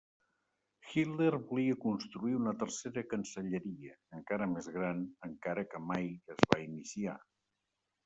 Hitler volia construir una tercera Cancelleria, encara més gran, encara que mai es va iniciar.